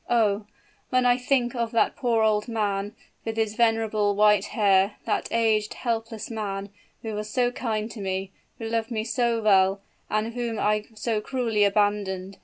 Oh! when I think of that poor old man, with his venerable white hair, that aged, helpless man, who was so kind to me, who loved me so well, and whom I so cruelly abandoned.